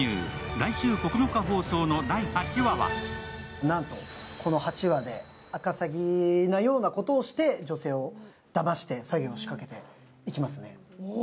来週９日放送の第８話は第８話でアカサギなようなことをして女性をだまして詐欺を仕掛けていきますね。